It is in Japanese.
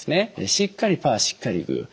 しっかりパーしっかりグー。